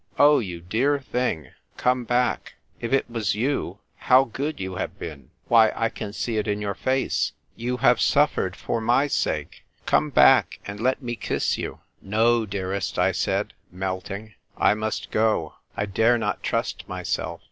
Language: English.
" Oh, you dear thing, come back ! If it was you, how good you have been ! Why, I can see it in your face. You have suffered for my sake ! Come back, and let me kiss you !"" No, dearest," I said, melting. " I must go. I dare not trust myself.